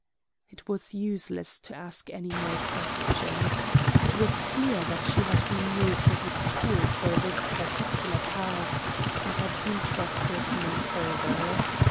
It was useless to ask any more questions. It was clear that she had been used as a tool for this particular task, and had been trusted no further.